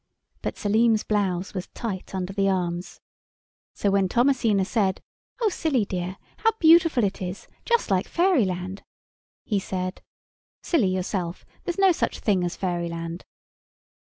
But Selim's blouse was tight under the arms. So when Thomasina said— "Oh, Silly dear, how beautiful it is, just like fairyland," he said— "Silly yourself. There's no such thing as fairyland."